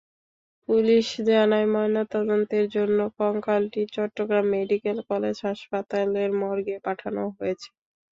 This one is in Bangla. পুলিশ জানায়, ময়নাতদন্তের জন্য কঙ্কালটি চট্টগ্রাম মেডিকেল কলেজ হাসপাতালের মর্গে পাঠানো হয়েছে।